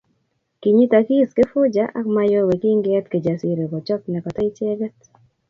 Kinyitakis Kifuja ak Mayowe kingeet Kijasiri kochob nekata icheget